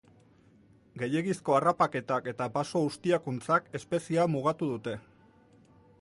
Gehiegizko harrapaketak eta baso-ustiakuntzak espeziea mugatu dute.